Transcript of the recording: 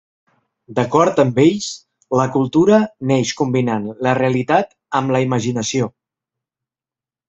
D'acord amb ells, la cultura neix combinant la realitat amb la imaginació.